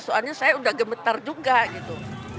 soalnya saya udah gemetar juga gitu